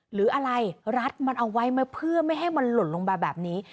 หรืออะไรรัดมันเอาไว้มาเพื่อไม่ให้มันหล่นลงมาแบบนี้